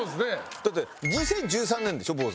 だって２０１３年でしょ？坊主。